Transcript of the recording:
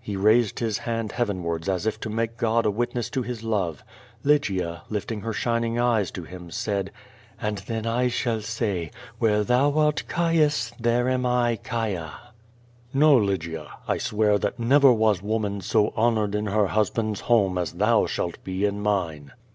He raised his hand heavenwards as if to make Ood a wit ness to his love. Lygia, lifting bir shining eyes to him, said: "And then 1 shall say, wlirre tlioii art, Caius, there am J, aia. 264 QVO VADIS. "Xo, Lygia! I swear that never was woman so honored in her husband's home as thou shalt be in mine."